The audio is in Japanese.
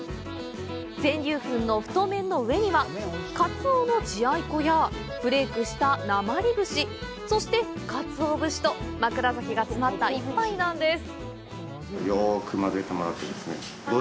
全粒粉の太麺の上にはかつおの血合い粉やフレークした、なまり節そしてかつお節と枕崎が詰まった一杯なんです。